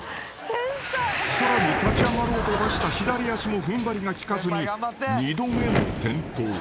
［さらに立ち上がろうと出した左足も踏ん張りが利かずに二度目の転倒］